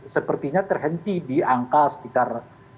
sepertinya terhenti di angka sekitar